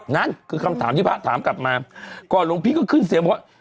นั่นคือคำถามที่พระถามกลับมาก่อนหลวงพี่ก็ขึ้นเสียงบอกว่า